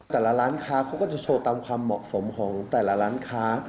แต่ละร้านค้าเขาก็จะโชว์ตามความเหมาะสมของแต่ละร้านค้า